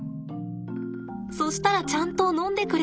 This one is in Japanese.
そしたらちゃんと飲んでくれるんです。